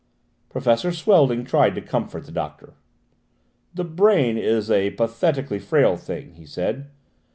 Professor Swelding tried to comfort the doctor. "The brain is a pathetically frail thing," he said.